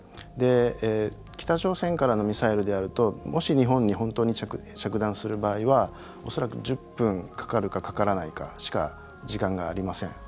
北朝鮮からのミサイルであるともし日本に本当に着弾する場合は恐らく１０分かかるかかからないかしか時間がありません。